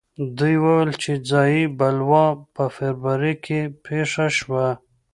دوی وویل چې ځايي بلوا په فبروري کې پېښه شوه.